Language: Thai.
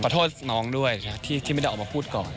โทษน้องด้วยที่ไม่ได้ออกมาพูดก่อน